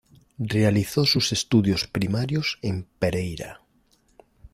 Realizó sus estudios primarios en Pereira.